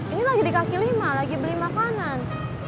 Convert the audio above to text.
ini lagi di kaki lima lagi beli makanan